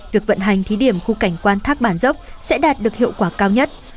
việc vận hành thí điểm khu cảnh quan thác bản dốc sẽ đạt được hiệu quả cao nhất